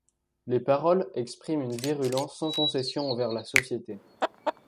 Les paroles expriment une virulence sans concession envers la société.